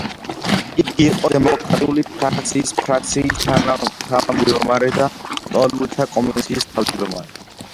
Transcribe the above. იგი იყო დემოკრატიული ფრაქციის ფრაქციის თანათავმჯდომარე და ლტოლვილთა კომისიის თავმჯდომარე.